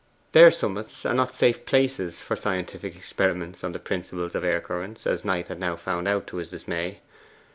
Their summits are not safe places for scientific experiment on the principles of air currents, as Knight had now found, to his dismay.